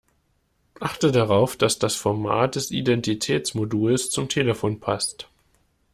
Achte darauf, dass das Format des Identitätsmoduls zum Telefon passt.